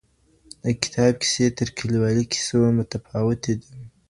د کتاب کيسې تر کليوالي کيسو متفاوتې دي.